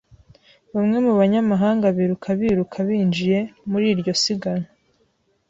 Bamwe mu banyamahanga biruka biruka binjiye muri iryo siganwa.